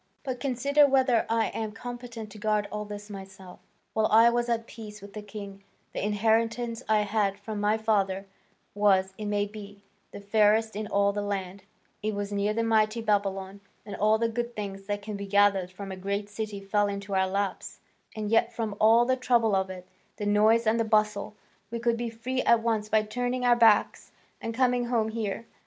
But consider whether I am competent to guard all this myself. While I was at peace with the king, the inheritance I had from my father was, it may be, the fairest in all the land: it was near that mighty Babylon, and all the good things that can be gathered from a great city fell into our laps, and yet from all the trouble of it, the noise and the bustle, we could be free at once by turning our backs and coming home here.